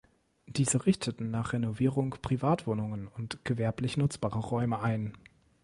Diese richteten nach Renovierung Privatwohnungen und gewerblich nutzbare Räume ein.